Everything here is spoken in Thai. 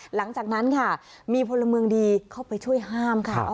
หลังจากนั้นค่ะมีพลเมืองดีเข้าไปช่วยห้ามค่ะ